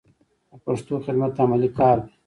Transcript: د پښتو خدمت عملي کار دی.